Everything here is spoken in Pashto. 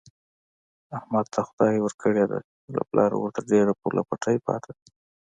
احمد ته خدای ورکړې ده، له پلاره ورته ډېر پوله پټی پاتې دی.